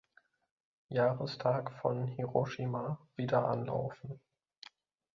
Jahrestag von Hiroshima wieder anlaufen.